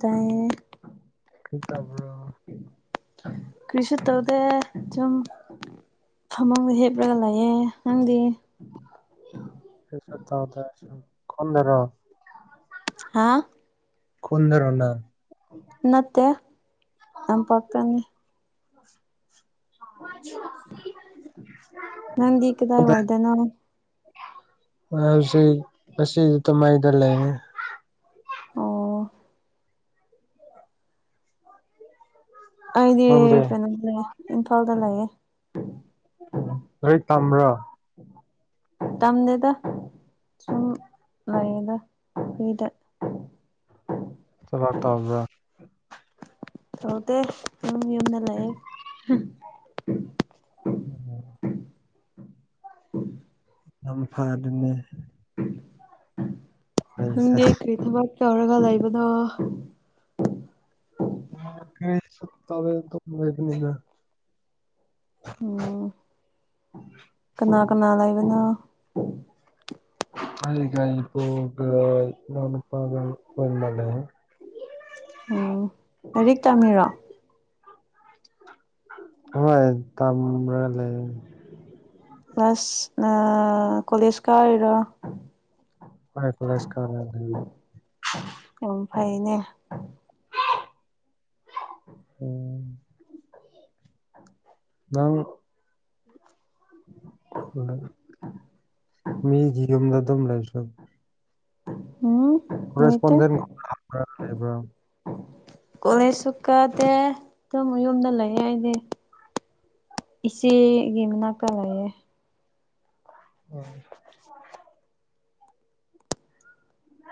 ꯇꯌꯦ ꯇꯥꯕ ꯀ꯭ꯁꯤ ꯇꯧꯗ ꯆꯨꯝ ꯐꯃꯥꯡꯗꯣ ꯍꯦꯞꯂꯒ ꯂꯩꯌꯦ ꯅꯪꯗꯤ ꯍ ꯆ ꯊ ꯇ ꯈꯣꯟꯗꯔꯣ ꯍꯥꯥ ꯀꯣꯟ ꯔꯅ ꯅꯠꯇꯦ ꯌꯥꯝ ꯄꯇꯅꯤ [inaudible] ꯑ ꯅꯪꯗꯤ ꯀꯗꯥꯏ [unintelligible] ꯋꯥꯏꯗꯅꯣ ꯍ ꯍꯧꯕꯁꯤ ꯇ ꯃꯥꯏꯗ ꯂꯩꯅꯦ ꯑꯣ ꯑꯩꯗꯤ ꯅꯪꯗꯤ ꯀꯩꯅꯣ ꯂꯩ ꯏꯝꯐꯥꯜꯗ ꯂꯩꯌꯦ ꯎ ꯍꯣꯏ ꯇꯥꯝ꯭ꯔꯥ [inaudible] ꯇꯝꯗꯦꯗ ꯁꯨꯝ ꯂꯩꯗ ꯑꯩꯗ ꯆ ꯂꯥꯛ ꯇꯕ ꯌꯨꯝꯅ ꯂꯥꯏ ꯎꯝ ꯑ ꯐ ꯑꯗꯨꯅꯦ ꯅꯪꯁꯦ ꯍꯪꯗꯦ ꯀꯔꯤ ꯊꯕꯛ ꯇꯧꯔꯒ ꯂꯩꯕꯅꯣ ꯀ ꯇꯦ ꯑꯗꯨ ꯂꯩꯕꯅꯤꯅ ꯎꯝ ꯀꯅꯥ ꯀꯅꯥ ꯂꯩꯥꯏꯕꯅ ꯑꯩꯒ ꯏꯇꯣꯒ ꯏꯃꯥꯛ ꯅꯨꯄꯥꯒ [unintelligible] ꯃꯥꯅꯩ꯫ ꯎꯝ ꯂꯥꯏꯔꯤꯛ ꯇꯝꯃꯤꯔꯣ ꯍꯣꯏ ꯇꯝꯕ꯭ꯔ ꯂꯩ ꯀ꯭ꯂꯁ ꯅ ꯀꯣꯂꯦꯖ ꯀꯔꯤꯔꯣ ꯍꯣꯏ ꯀꯣꯂꯦꯖ ꯀꯥꯔ ꯂꯩꯔꯤ꯫ ꯎꯝ ꯐꯩꯅꯦ꯫ ꯎꯝ꯫ ꯅꯪ [unintelligible] ꯃꯤꯒꯤ ꯌꯨꯝꯗ ꯗꯨꯝ ꯂꯩꯕꯁꯨ ꯍꯨꯝ ꯅꯣꯏꯇꯦ ꯀꯣꯔꯦꯁꯄꯣꯟꯗꯦꯟꯒꯨꯝꯕ ꯂꯥꯛꯄ꯭ꯔꯥ ꯂꯩꯕ꯭ꯔꯥ ꯀꯣꯂꯦꯖꯁꯨ ꯀꯥꯗꯦ ꯇꯃꯣ ꯌꯨꯝꯗ ꯂꯩꯌꯦ ꯑꯩꯗꯤ꯫ ꯏꯆꯦ ꯒꯤ ꯃꯅꯥꯛꯇ ꯂꯩꯌꯦ꯫ ꯎꯝ꯫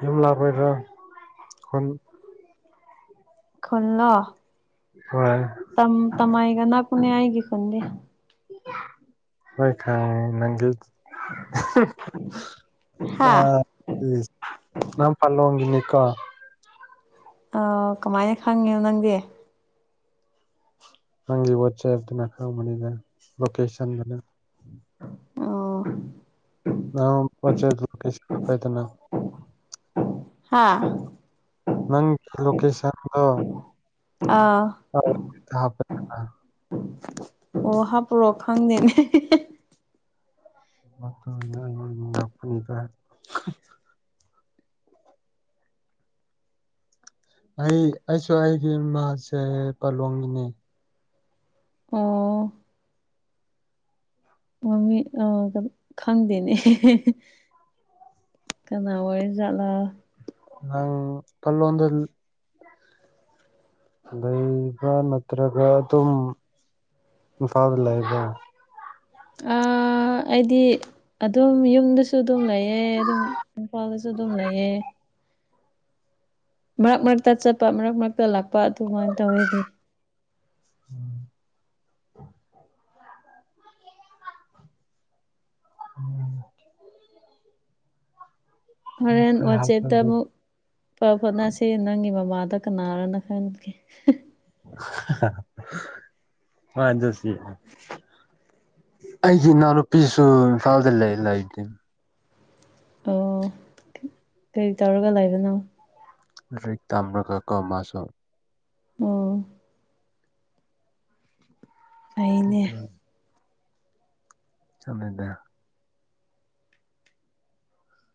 ꯌꯨꯝ ꯂꯥꯞꯕꯣꯏꯗ꯭ꯔ ꯈꯨꯟ ꯈꯨꯟꯂꯣ ꯍꯣꯏ꯫ ꯇꯝ ꯇꯝꯃꯥꯏꯒ ꯅꯛꯄꯅꯦ ꯑꯩꯒꯤ ꯈꯨꯟꯗꯤ꯫ ꯍꯣꯏ ꯈꯪꯉꯦ ꯅꯪꯒꯤ [unintelligible] ꯍꯥ ꯑ ꯏꯁ ꯅꯪ ꯄꯜꯂꯣꯡꯒꯤꯅꯤꯀꯣ꯫ ꯑꯥꯎ ꯀꯃꯥꯏꯅ ꯈꯪꯉꯦ ꯅꯪꯗꯤ꯫ ꯅꯪꯒꯤ ꯋꯥꯠꯆꯦꯞꯇꯨꯅ ꯈꯪꯕꯅꯤꯗ ꯂꯣꯀꯦꯁꯟꯗꯅ꯫ ꯑꯣ ꯅꯥꯉꯣꯝ ꯄꯣꯠꯆꯩꯒꯤ ꯀꯩꯁ ꯀꯥꯏꯗꯏꯅ ꯍꯥꯥ ꯅꯪ ꯂꯣꯀꯦꯁꯟꯗꯣ ꯑꯥ ꯑꯣ ꯍꯥꯞꯄꯣꯔꯣ ꯈꯪꯗꯦꯅꯤ [unintelligible] [unintelligible] [unintelligible] [unintelligible] ꯑꯩ ꯑꯩꯁꯨ ꯑꯩꯒꯤ ꯏꯃꯥꯁꯦ ꯄꯂꯣꯡꯉꯤꯅꯦ꯫ ꯑꯣ꯫ ꯃꯃꯤ ꯑ [unintelligible] ꯈꯪꯗꯦꯅꯦ ꯍꯦꯍꯦ꯫ ꯀꯅꯥ ꯑꯣꯏꯔꯖꯥꯠꯂ꯫ ꯅꯪ ꯄꯜꯂꯣꯟꯗ ꯂꯩꯕ ꯅꯠꯇ꯭ꯔꯒ ꯑꯗꯨꯝ ꯏꯝꯐꯥꯜꯗ ꯂꯩꯕ꯭ꯔ꯫ ꯑꯥ ꯑ ꯑꯩꯗꯤ ꯑꯗꯨꯝ ꯌꯨꯝꯗꯁꯨ ꯗꯨꯝ ꯂꯩꯌꯦ ꯑꯗꯨꯝ ꯏꯝꯐꯥꯜꯗꯁꯨ ꯑꯗꯨꯝ ꯂꯩꯌꯦ꯫ ꯃꯔꯛ ꯃꯔꯛꯇ ꯆꯠꯄ ꯃꯔꯛ ꯃꯔꯛꯇ ꯂꯥꯛꯄ ꯑꯗꯨꯃꯥꯏꯟ ꯇꯧꯋꯦꯗꯤ꯫ ꯎꯝ꯫ ꯎꯝ꯫ ꯍꯣꯔꯦꯟ ꯋꯥꯆꯦꯞꯇ ꯑꯃꯨꯛ ꯄꯥꯎ ꯐꯥꯎꯅꯁꯦ ꯅꯪꯒꯤ ꯃꯃꯥꯗ ꯀꯅꯥꯔꯅ ꯈꯪꯒꯦ ꯍꯤ꯫ ꯍꯍꯤ ꯍꯣꯏ ꯑꯗꯨꯁꯨ ꯑꯩꯒꯤ ꯏꯅꯥꯎꯅꯨꯄꯤꯁꯨ ꯏꯝꯐꯥꯜꯗ ꯂꯩ ꯂꯩꯒꯤꯝ ꯑꯣ ꯀꯩ ꯇꯧꯔꯒ ꯂꯩꯕꯅꯣ꯫ ꯂꯔꯤꯛ ꯇꯝꯔꯒ ꯀꯣ ꯃꯥꯁꯨ ꯑꯣ꯫ ꯐꯩꯅꯦ ꯑꯗꯨꯅꯤꯗ ꯆꯝꯅꯗ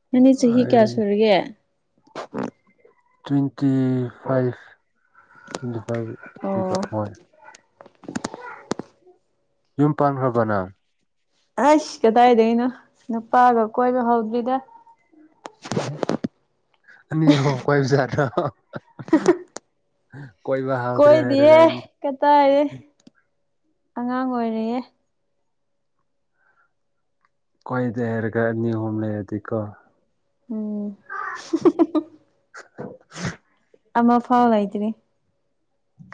ꯅꯪꯗꯤ ꯆꯍꯤ ꯀ꯭ꯌꯥ ꯑꯩ ꯁꯨꯔꯒꯦ꯫ ꯇ꯭ꯋꯦꯟꯇꯤ ꯐꯥꯏꯚ ꯑꯣ ꯇ꯭ꯋꯦꯟꯇꯤꯐꯥꯏꯚ [unintelligible] [unintelligible] ꯌꯨꯝ ꯄꯥꯟꯈ꯭ꯔꯕꯅ ꯑꯩꯁ ꯀꯗꯥꯏꯗꯒꯤꯅꯣ ꯅꯨꯄꯥꯒ ꯀꯣꯏꯕ ꯍꯧꯗ꯭ꯔꯤꯗ ꯑꯅꯤ ꯑꯍꯨꯝ ꯀꯣꯏꯌꯨꯆꯣ ꯌꯥꯗ꯭ꯔꯣ ꯀꯣꯏꯕ ꯍꯥꯎꯗ꯭ꯔꯦ ꯍꯥꯏꯔꯒ ꯀꯇꯥꯥꯏꯗꯩꯩ ꯑꯉꯥꯡ ꯑꯣꯏꯔꯤꯌꯦ ꯀꯣꯏꯗꯦ ꯍꯥꯏꯔꯒ ꯑꯅꯤ ꯑꯍꯣꯝ ꯂꯩꯔꯗꯤꯀꯣ ꯎꯝ [unintelligible] ꯑꯃ ꯐꯥꯎ ꯂꯩꯇ꯭ꯔꯤ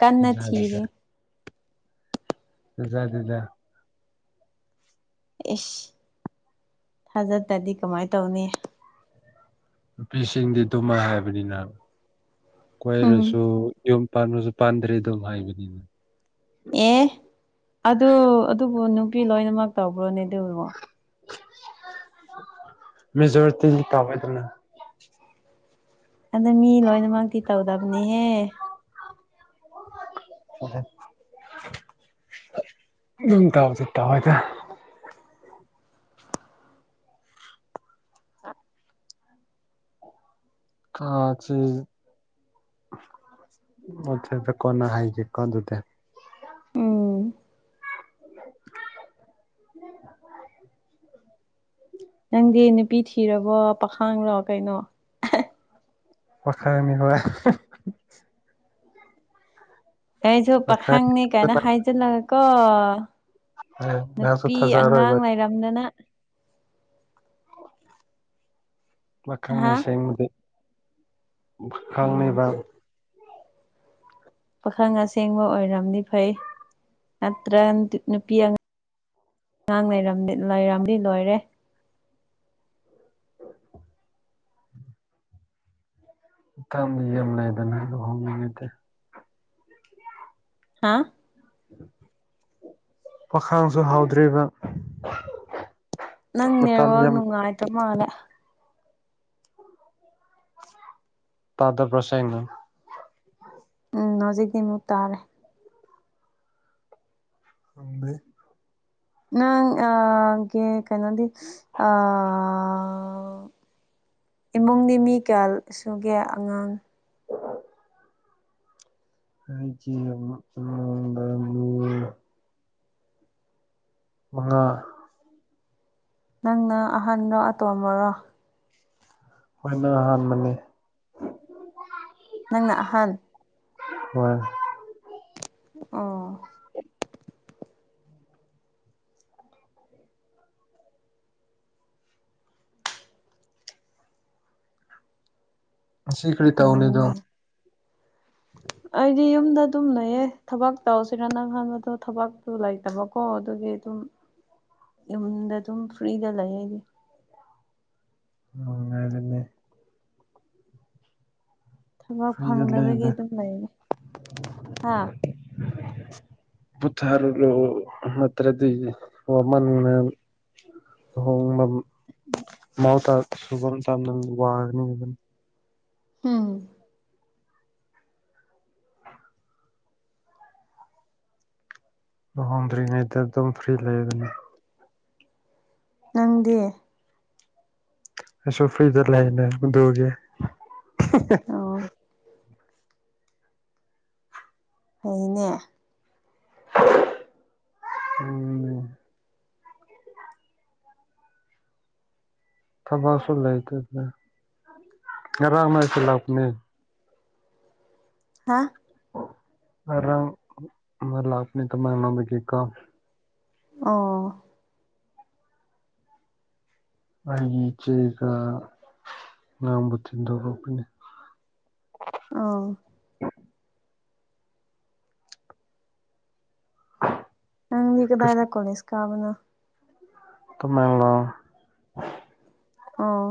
ꯀꯟꯅ ꯊꯤꯔꯤ [unintelligible] ꯑꯦꯁ ꯊꯥꯖꯗ꯭ꯔꯗꯤ ꯀꯃꯥꯏ ꯇꯧꯅꯤ ꯅꯨꯄꯤꯁꯤꯡꯗꯤ ꯗꯨꯃꯥꯏ ꯍꯥꯏꯕꯅꯤꯅ ꯍꯨꯝ ꯀꯣꯏꯔꯁꯨ ꯌꯨꯝ ꯄꯥꯟꯕꯁꯨ ꯄꯥꯟꯗ꯭ꯔꯦ ꯑꯗꯨꯝ ꯍꯥꯏꯕꯅꯤꯅ ꯑꯦ ꯑꯗꯨ ꯑꯗꯨꯕꯨ ꯅꯨꯄꯤ ꯂꯣꯏꯅꯃꯛ ꯇꯧꯕ꯭ꯔꯣꯅꯦ ꯑꯗꯨꯕꯣ ꯃꯦꯖꯣꯔꯤꯇꯤ [unintelligible] ꯑꯗꯣ ꯃꯤ ꯂꯣꯏꯅꯃꯛꯇꯤ ꯇꯧꯗꯕꯅꯦꯍꯦ ꯌꯨꯝ ꯄꯥꯟꯁꯤ ꯄꯥꯜꯂꯣꯏꯗ [unintelligible] ꯑꯆꯥ ꯑꯆꯥ ꯀꯣꯟꯅ ꯍꯥꯏꯒꯦ ꯀꯣ ꯑꯗꯨꯗꯤ ꯑꯣ [unintelligible] ꯅꯪꯗꯤ ꯅꯨꯄꯤ ꯊꯤꯔꯕꯣ ꯄꯥꯈꯥꯡꯔꯣ ꯀꯩꯅꯣ [unintelligible] ꯑꯩꯁꯨ ꯄꯥꯈꯪ ꯄꯥꯈꯪꯅꯤ ꯀꯥꯏꯅ ꯍꯥꯏꯖꯤꯜꯂꯒꯀꯣ ꯅꯪꯁꯨ ꯅꯨꯄꯤ ꯑꯉꯥꯡ ꯊꯥꯖꯔꯣꯏꯕ ꯂꯩꯔꯝꯗꯅ ꯍꯥ ꯃꯥꯈꯪꯅꯤꯁꯤ ꯑꯃꯗꯤ ꯐ ꯑꯣ ꯈꯥꯪꯅꯤꯕ ꯄꯥꯈꯪ ꯑꯁꯦꯡꯕ ꯑꯣꯏꯔꯝꯅꯤ ꯐꯩ ꯅꯠꯇ꯭ꯔ ꯅꯨꯄꯤ ꯑꯉ ꯑꯉꯥꯡ ꯂꯩꯔꯝ ꯂꯩꯔꯝꯗꯤ ꯂꯣꯏꯔꯦ [unintelligible] ꯂꯩꯗꯅ ꯂꯨꯍꯣꯡꯅꯤꯡꯉꯗꯤ ꯍꯥꯥ ꯄꯥꯈꯥꯡꯁꯨ ꯍꯥꯎꯗ꯭ꯔꯤꯕ ꯅꯪ ꯃꯇꯝ ꯅꯦꯠꯋꯥꯔꯀ ꯌꯥꯝ ꯅꯨꯡꯥꯏꯇ ꯃꯥꯜꯂꯦ ꯇꯥꯗꯕ꯭ꯔꯣ ꯁꯦꯡꯟ ꯎꯝ ꯍꯧꯖꯤꯛꯇꯤꯃꯨꯛ ꯇꯥꯔꯦ ꯈꯥꯗꯦ ꯅꯪ ꯑ ꯀꯦ ꯀꯩꯅꯣꯗꯩꯩ ꯑꯥ ꯏꯃꯨꯡꯗꯤ ꯃꯤ ꯀꯌꯥ ꯁꯨꯒꯦ ꯑꯉꯥꯡ [unintelligible] ꯑꯩꯒꯤ ꯑꯃ [unintelligible] ꯃꯉꯥ ꯅꯪꯅ ꯑꯍꯥꯟꯕ ꯑꯇꯣꯝꯕꯔꯣ ꯑꯩꯈꯣꯏꯅ ꯑꯍꯥꯟꯕꯅꯦ ꯅꯪꯅ ꯑꯍꯟ ꯍꯣꯏ ꯑꯣ ꯁꯤ ꯀꯔꯤ ꯇꯧꯅꯤꯗꯣ ꯐꯩꯅꯦ ꯑꯩꯗꯤ ꯌꯨꯝꯗ ꯑꯗꯨꯝ ꯂꯩꯌꯦ ꯊꯕꯛ ꯇꯧꯁꯤꯔ ꯅꯪꯍꯥꯟꯕꯗꯣ ꯊꯕꯛꯇꯨ ꯂꯩꯇꯕꯀꯣ ꯑꯗꯨꯒꯤ ꯑꯗꯨꯝ [inaudible] ꯏꯃꯨꯡꯗ ꯑꯗꯨꯝ ꯐ꯭ꯔꯤꯗ ꯂꯩ ꯑꯩꯗꯤ ꯅꯨꯉꯥꯏꯕꯅꯦ ꯊꯕꯛ ꯐ꯭ꯔꯤꯗ ꯐꯪꯅꯕꯒꯤ ꯂꯩꯗ ꯑꯗꯨꯝ ꯂꯩꯅꯤ ꯑ [inaudible] ꯕꯨꯠꯊꯔꯣ ꯅꯠꯇ꯭ꯔꯗꯤ ꯋꯥꯃꯟꯅ ꯂꯨꯍꯣꯡꯕ ꯃꯥꯎꯊꯥ ꯁꯨꯐꯝ ꯆ ꯋꯥꯒꯅꯤꯕ ꯎꯝ ꯂꯨꯍꯣꯡꯗ꯭ꯔꯤꯉꯩꯗꯗꯨꯝ ꯐ꯭ꯔꯤ ꯂꯩ ꯕꯅꯤ ꯅꯪꯗꯤ ꯑꯩꯁꯣ ꯐꯔꯤꯖꯔ ꯂꯩꯅ ꯎꯗꯒꯦ ꯑꯣ ꯐꯩꯅꯦ ꯎꯝ ꯊꯕꯛꯁꯨ ꯂꯩꯥꯏꯇꯦꯅꯦ ꯉꯔꯥꯡ ꯃꯣꯏꯁꯤ ꯂꯥꯛꯄꯅꯤ ꯍꯥꯥ ꯉꯔꯥꯡ ꯑꯃ ꯂꯥꯛꯄꯅꯦꯑꯣꯅꯥꯗꯀꯥ ꯑꯣ ꯑꯩꯒꯤ ꯏꯆꯦꯒ ꯉꯥꯡꯕꯨ ꯇꯤꯟꯗꯣꯔꯛꯄꯅꯦ ꯑꯣ ꯅꯪ ꯀꯗꯥꯏꯗ ꯀꯣꯂꯤꯁ ꯀꯥꯕꯅꯣ ꯇꯃꯦꯡ ꯂꯣꯡ ꯑꯣ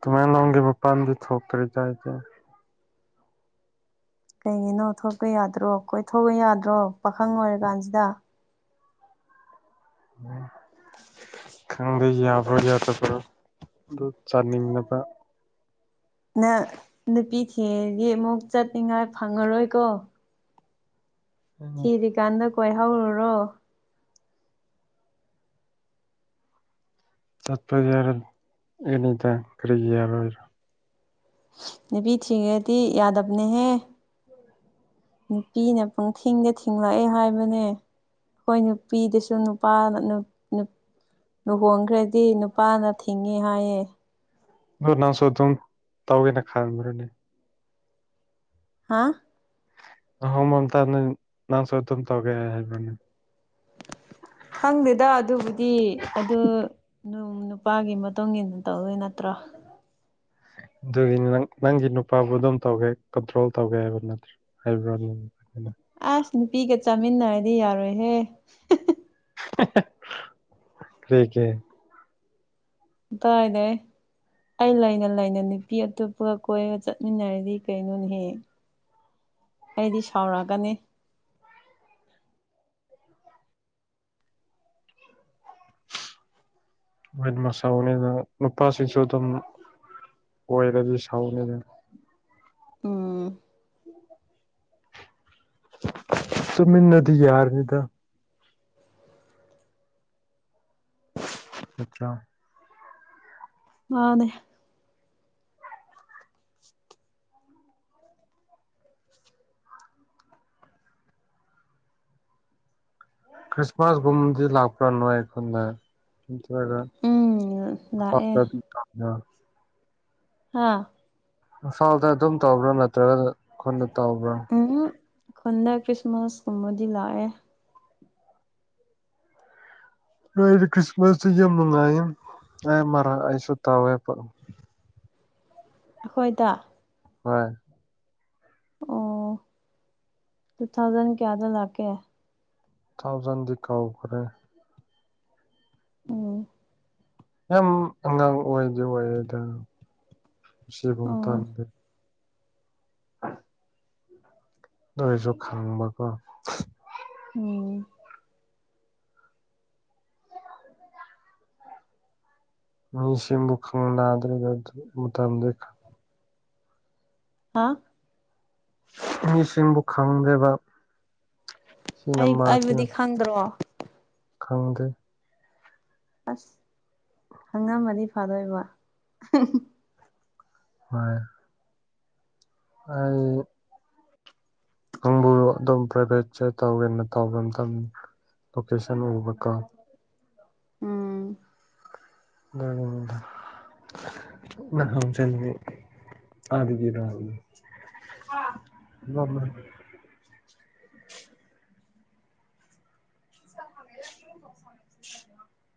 ꯇꯃꯦꯡꯂꯣꯡ ꯗꯩ ꯃꯄꯥꯟꯕꯨ ꯊꯣꯛꯇꯔ꯭ꯤꯗ ꯑꯩꯗꯤ ꯀꯩꯒꯤꯅꯣ ꯊꯣꯛꯄ ꯌꯥꯗ꯭ꯔꯣ ꯀꯣꯏꯊꯣꯛꯄ ꯌꯥꯗ꯭ꯔꯣ ꯄꯥꯈꯪ ꯑꯣꯏꯔ ꯀꯥꯟꯁꯤꯗ [inaudible] ꯈꯪꯗꯦ ꯌꯥꯕ꯭ꯔꯣ ꯌꯥꯗꯕ꯭ꯔꯣ ꯑꯗꯨ ꯆꯥꯅꯤꯡꯅꯕ ꯅꯪ ꯅꯨꯄꯤ ꯊꯤꯔꯗꯤ ꯑꯃꯨꯛ ꯆꯠꯅꯤꯡꯉꯥꯏ ꯐꯪꯉꯔꯣꯏꯀꯣ ꯊꯤꯔꯤꯀꯥꯟꯗ ꯀꯣꯏꯍꯧꯔꯨꯔꯣ ꯆꯠꯄ ꯌꯥꯔ ꯑꯩꯅꯤꯗ ꯀꯔꯤꯒꯤ ꯌꯥꯔꯣꯏꯔꯣ ꯅꯨꯄꯤ ꯊꯤꯒ꯭ꯔꯗꯤ ꯌꯥꯗꯕꯅꯦꯍꯦ ꯅꯨꯄꯤꯅ ꯄꯪꯊꯤꯡꯗ ꯊꯤꯡꯂꯛꯑꯦ ꯍꯥꯏꯕꯅꯦ ꯈꯣꯏ ꯅꯨꯄꯤꯗꯨꯁꯨ ꯅꯨꯄꯥꯅ ꯅꯨ [unintelligible] ꯂꯨꯍꯣꯡꯈ꯭ꯔꯗꯤ ꯅꯨꯄꯥꯅ ꯊꯤꯡꯉꯦ ꯍꯥꯏꯌꯦ ꯗꯣ ꯅꯪꯁꯨ ꯑꯗꯨꯝ ꯇꯧꯒꯦꯅ ꯈꯟꯕ꯭ꯔꯣꯅꯦ ꯍꯥꯥ ꯅꯍꯣꯡꯃꯝꯇꯥꯗ ꯅꯪꯁꯨ ꯑꯗꯨꯝ ꯇꯧꯒꯦ ꯍꯥꯏꯕꯅꯦ ꯈꯪꯗꯦꯗ ꯑꯗꯨꯕꯨꯗꯤ ꯑꯗꯨ ꯅꯨꯄꯥꯒꯤ ꯃꯇꯨꯡ ꯏꯟꯅ ꯇꯧꯗꯣꯏ ꯅꯠꯇ꯭ꯔꯣ ꯑꯗꯨꯒꯤ ꯅꯪ ꯅꯪꯒꯤ ꯅꯨꯄꯥꯕꯨ ꯑꯗꯨꯝ ꯇꯧꯒꯦ ꯀꯟꯇ꯭ꯔꯣꯜ ꯇꯧꯒꯦ ꯍꯥꯏꯕ ꯅꯠꯇ꯭ꯔꯦ [unintelligible] ꯑꯥꯁ ꯅꯨꯄꯤꯒ ꯆꯥꯃꯤꯟꯅꯔꯗꯤ ꯌꯥꯔꯣꯏꯍꯦ ꯀꯔꯤꯒꯤ ꯀꯗꯥꯏꯗꯩ ꯑꯩ ꯂꯩꯅ ꯂꯩꯅ ꯅꯨꯄꯤ ꯑꯇꯣꯞꯄꯒ ꯀꯣꯏꯔ ꯆꯠꯃꯤꯟꯅꯔꯗꯤ ꯀꯩꯅꯣꯅꯤꯍꯦ ꯑꯩꯗꯤ ꯁꯥꯎꯔꯛꯒꯅꯤ ꯃꯣꯏꯁꯥꯎꯅꯤꯗ ꯅꯨꯄꯥꯁꯤꯡꯁꯨ ꯑꯗꯨꯝ ꯀꯣꯏꯔꯗꯤ ꯁꯥꯎꯅꯤꯗ ꯎꯝ [inaudible] ꯇꯨꯃꯤꯅꯗꯤ ꯌꯥꯔꯅꯤꯗ ꯅꯠꯇ꯭ꯔꯣ ꯃꯥꯅꯦ ꯈ꯭ꯔꯤꯁꯃꯥꯁꯒꯨꯝꯕꯗꯤ ꯂꯥꯛꯄ꯭ꯔꯥ ꯅꯣꯏ ꯈꯣꯟꯗ ꯅꯠꯇ꯭ꯔꯒ ꯎꯝ ꯂꯥꯛꯑꯦ [unintelligible] ꯍꯥꯥ ꯏꯝꯐꯥꯜꯗ ꯑꯗꯨꯝ ꯇꯧꯕ꯭ꯔꯥ ꯅꯠꯇ꯭ꯔꯒ ꯈꯨꯟꯗ ꯇꯧꯕ꯭ꯔꯥ? ꯎꯝ ꯈꯨꯟꯗ ꯈ꯭ꯔꯤꯁꯃꯥꯁ ꯀꯨꯝꯕꯗꯤ ꯂꯥꯛꯑꯦ ꯑꯩꯗꯤ ꯈ꯭ꯔꯤꯁꯃꯁꯁꯦ ꯌꯝ ꯅꯨꯉꯥꯏꯌꯦ ꯑꯩ ꯃꯔ ꯑꯩꯁꯨ ꯇꯋꯦꯕ ꯑꯈꯣꯏꯗ ꯍꯣꯏ ꯑꯣ ꯇꯨ ꯊꯥꯎꯖꯟ ꯀꯌꯥꯗ ꯂꯥꯛꯀꯦ ꯊꯥꯎꯖꯟꯗꯤ ꯀꯥꯎꯈ꯭ꯔꯦ ꯎꯝ ꯌꯥꯝ ꯑꯉꯥꯡ ꯑꯣꯏꯗꯤ ꯑꯣꯏꯌꯦꯗ ꯁꯤꯕꯨ ꯑꯣ ꯃꯇꯥꯡꯗ ꯅꯣꯏꯁꯨ ꯈꯪꯕꯀꯣ ꯎꯝ ꯃꯤ ꯁꯤꯡꯕꯨ ꯈꯪꯅꯥꯗ꯭ꯔꯒꯗꯤ ꯃꯇꯝꯗ ꯍꯥꯥ ꯃꯤꯁꯤꯡꯕꯨ ꯈꯪꯗꯦꯕ ꯁꯤꯅ ꯑꯩ ꯃꯥꯁꯤꯅ ꯑꯩꯕꯨꯗꯤ ꯈꯪꯗ꯭ꯔꯣ ꯈꯪꯗꯦ ꯑꯁ ꯈꯪꯉꯝꯃꯗꯤ ꯐꯗꯣꯏꯕ ꯍꯣꯏ ꯑꯩ ꯅꯪꯕꯨ ꯑꯗꯨꯝ ꯄ꯭ꯔꯥꯏꯚꯦꯠꯁꯦ ꯇꯧꯋꯦꯅ ꯇꯧꯕ ꯃꯇꯝ ꯂꯣꯀꯦꯁꯟ ꯎꯕꯀꯣ ꯎꯝ [unintelligible] [unintelligible] [unintelligible]